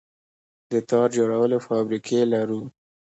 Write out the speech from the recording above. د تار جوړولو فابریکې لرو؟